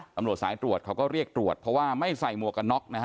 ตำรวจสายตรวจเขาก็เรียกตรวจเพราะว่าไม่ใส่หมวกกันน็อกนะฮะ